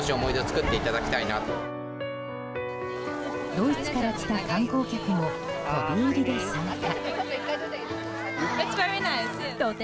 ドイツから来た観光客も飛び入りで参加。